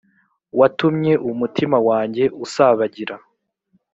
watumye umutima wanjye usabagira